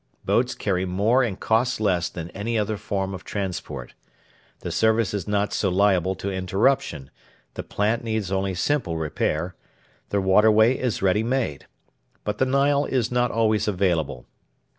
Boats carry more and cost less than any other form of transport. The service is not so liable to interruption; the plant needs only simple repair; the waterway is ready made. But the Nile is not always available.